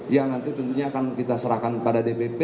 ya nanti tentunya akan kita serahkan pada dpp